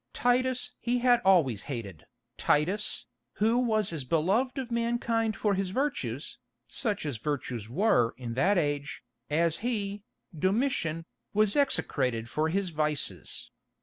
Titus he had always hated, Titus, who was as beloved of mankind for his virtues, such as virtues were in that age, as he, Domitian, was execrated for his vices.